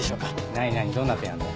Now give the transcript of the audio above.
何何どんな提案だ？